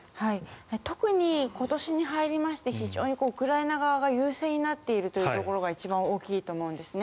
特に今年に入りまして非常にウクライナ側が優勢になっているというところが一番大きいと思うんですね。